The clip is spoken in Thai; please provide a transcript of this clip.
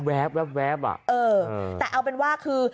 แวบอ่ะเออแต่เอาเป็นว่าคือ